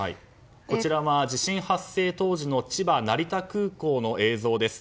こちらは地震発生当時の千葉・成田空港の映像です。